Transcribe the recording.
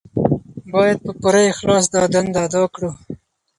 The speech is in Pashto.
باید په پوره اخلاص دا دنده ادا کړو.